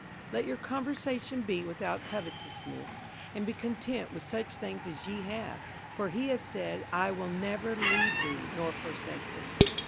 58:013:005 Let your conversation be without covetousness; and be content with such things as ye have: for he hath said, I will never leave thee, nor forsake thee.